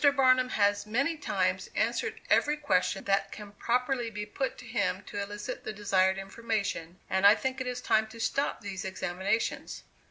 Barnum has many times answered every question that can properly be put to him to elicit the desired information; and I think it is time to stop these examinations.